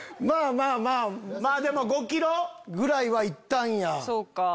まぁでも５ｋｇ。ぐらいはいったんや。